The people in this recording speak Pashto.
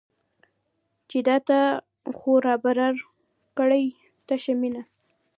چې دا تا خو رابار کړې تشه مینه